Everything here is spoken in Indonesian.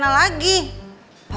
papa udah ngizinin tuh